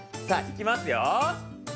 さあいきますよ。